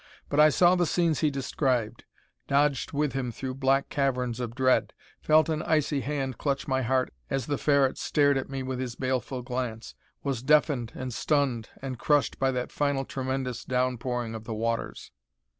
But I saw the scenes he described, dodged with him through black caverns of dread, felt an icy hand clutch my heart as the Ferret stared at me with his baleful glance; was deafened, and stunned, and crushed by that final tremendous down pouring of the waters.